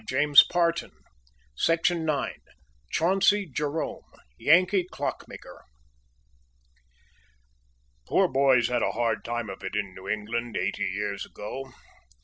[Illustration: Chauncey Jerome] CHAUNCEY JEROME, YANKEE CLOCK MAKER. Poor boys had a hard time of it in New England eighty years ago.